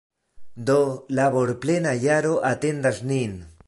Do, laborplena jaro atendas nin!